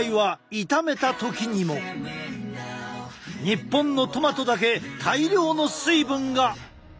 日本のトマトだけ大量の水分が！